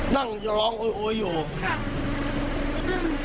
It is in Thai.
นั่งร้องเฮ๊ยเฮ้ยเฮ้ยเฮ้ย